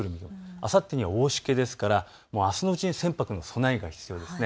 あさってには大しけですからあすのうちに船舶の備えが必要です。